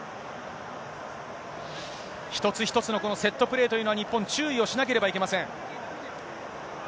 一つ一つのこのセットプレーというのは、日本、注意をしなければいけません。